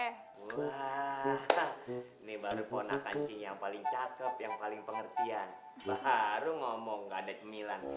hai gua nih baru ponakan cinya paling cakep yang paling pengertian baru ngomong ada cemilan